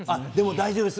大丈夫です。